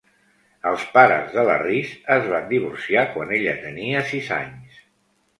Els pares de la Rees es van divorciar quan ella tenia sis anys.